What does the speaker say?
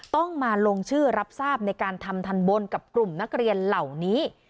ต้องมาลงชื่อรับทราบในการทำทันบนกับกลุ่มนักเรียนเหล่านี้